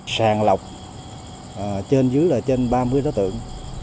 sàng lọc trên dưới là trên ba mươi đối tượng